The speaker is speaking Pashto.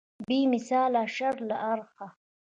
په بې مثاله شر له اړخه.